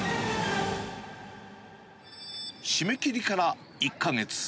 締め切りから１か月。